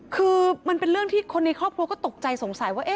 คือมันเป็นเรื่องที่คนในครอบครัวก็ตกใจสงสัยว่า